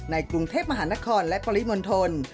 ในกรุงเทพมหานครและปริมณฑล